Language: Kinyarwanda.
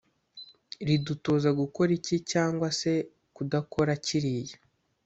ridutoza gukora iki cyangwa se kudakora kiriya